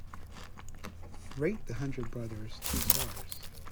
Rate The Hundred Brothers two stars.